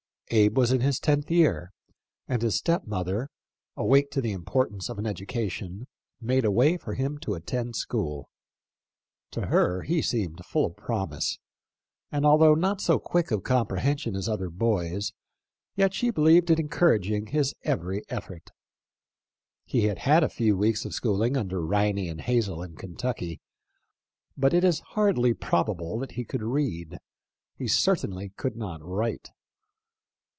Abe was in his tenth year, and his stepmother, awake to the importance of an educa tion, made a way for him to attend school. To her he seemed full of promise ; and although not so quick of comprehension as other boys, yet she believed in encouraging his every effort. He had had a few weeks of schooling under Riney and Hazel in Kentucky, but it is hardly probable that he could read ; he certainly could not wfite.